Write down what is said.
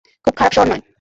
খুব খারাপ শহর নয়।